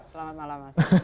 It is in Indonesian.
selamat malam mas